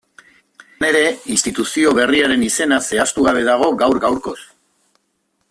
Izan ere, instituzio berriaren izena zehaztugabe dago gaur-gaurkoz.